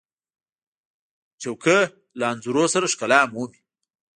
چوکۍ له انځورونو سره ښکلا مومي.